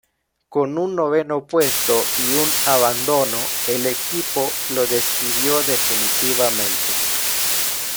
Con un noveno puesto y un abandonó, el equipo lo despidió definitivamente.